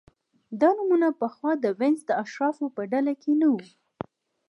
دا نومونه پخوا د وینز د اشرافو په ډله کې نه وو